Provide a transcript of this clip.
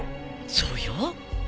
そうよ。